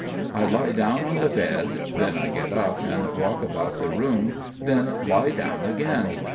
I lie down on the bed; then I get up and walk about the room then lie down again.